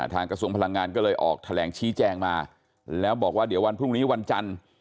กระทรวงพลังงานก็เลยออกแถลงชี้แจงมาแล้วบอกว่าเดี๋ยววันพรุ่งนี้วันจันทร์